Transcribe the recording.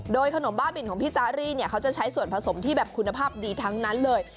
ขนมบ้าบินของพี่จารี่เนี่ยเขาจะใช้ส่วนผสมที่แบบคุณภาพดีทั้งนั้นเลย